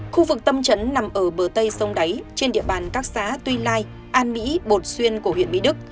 khu vực tâm trấn nằm ở bờ tây sông đáy trên địa bàn các xã tuy lai an mỹ bột xuyên của huyện mỹ đức